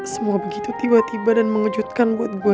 semua begitu tiba tiba dan mengejutkan buat gue